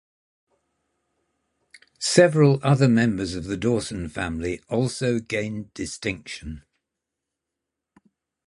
Several other members of the Dawson family also gained distinction.